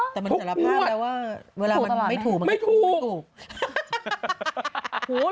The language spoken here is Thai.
แต่มันสารภาพแล้วว่าเวลามันไม่ถูกมันไม่ถูก